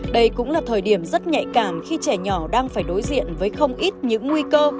đây cũng là thời điểm rất nhạy cảm khi trẻ nhỏ đang phải đối diện với không ít những nguy cơ